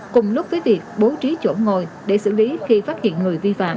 cùng lúc với việc bố trí chỗ ngồi để xử lý khi phát hiện người vi phạm